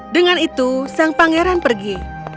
dengan itu sang pangeran pergi